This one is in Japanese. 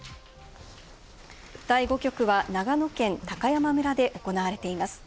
第５局は長野県高山村で行われています。